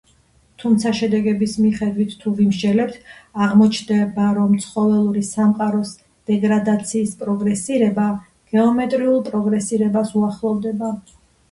თუმცა შედეგების მიხედვით თუ ვიმსჯელებთ, აღმოჩნდება რომ ცხოველური სამყაროს დეგრადაციის პროგრესირება გეომეტრიულ პროგრესირებას უახლოვდება.